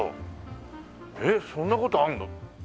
えっそんな事あるの？